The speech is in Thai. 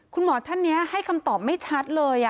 คุณหมอท่านนี้ให้คำตอบไม่ชัดเลย